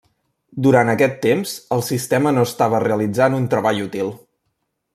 Durant aquest temps, el sistema no estava realitzant un treball útil.